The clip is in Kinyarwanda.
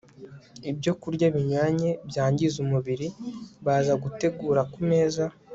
ibyokurya binyuranye byangiza umubiri baza gutegura ku meza